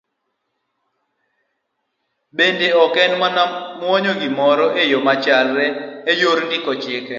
Bende en mana nwoyo gimoro e yo machalre e yor ndiko chike.